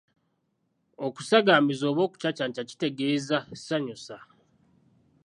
Okusagambiza oba okucacanca kitegeeza ssanyu ssa.